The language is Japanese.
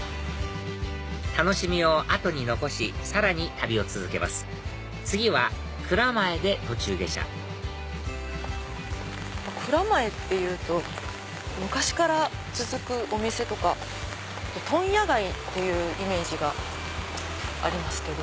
楽しみを後に残しさらに旅を続けます次は蔵前で途中下車蔵前っていうと昔から続くお店とか問屋街っていうイメージがありますけど。